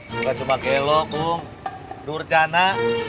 enggak cuma gelok kum durcana